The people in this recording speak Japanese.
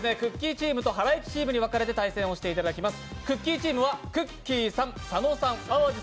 チームとハライチチームに分かれて対決していただきます。